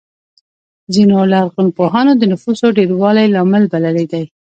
ځینو لرغونپوهانو د نفوسو ډېروالی لامل بللی دی